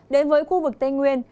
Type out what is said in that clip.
đến với khu vực tây nguyên